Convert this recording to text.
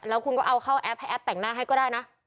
แล้วคุณก็เอาเข้าแอปให้แอปแต่งหน้าให้ก็ได้นะ